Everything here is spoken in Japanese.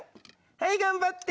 はい頑張って！